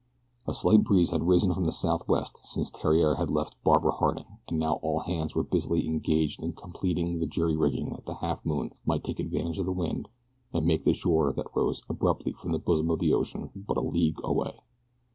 A slight breeze had risen from the southwest since Theriere had left Barbara Harding and now all hands were busily engaged in completing the jury rigging that the Halfmoon might take advantage of the wind and make the shore that rose abruptly from the bosom of the ocean but a league away.